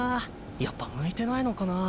やっぱ向いてないのかな？